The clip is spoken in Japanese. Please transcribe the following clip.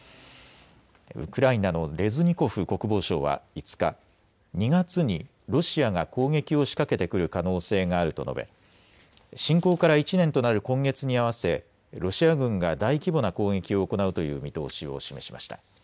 ウクライナのレズニコフ国防相は５日、２月にロシアが攻撃を仕掛けてくる可能性があると述べ侵攻から１年となる今月に合わせロシア軍が大規模な攻撃を行うという見通しを示しました。